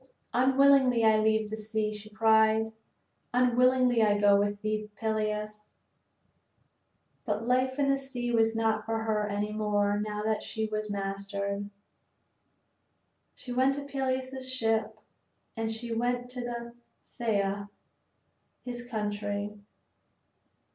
"Unwillingly I leave the sea," she cried, "unwillingly I go with thee, Peleus." But life in the sea was not for her any more now that she was mastered. She went to Peleus's ship and she went to Phthia, his country.